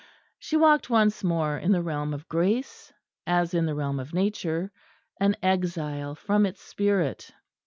She walked once more in the realm of grace, as in the realm of nature, an exile from its spirit.